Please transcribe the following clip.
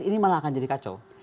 ini malah akan jadi kacau